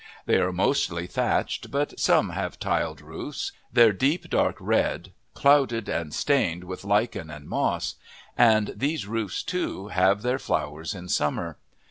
They are mostly thatched, but some have tiled roofs, their deep, dark red clouded and stained with lichen and moss; and these roofs, too, have their flowers in summer.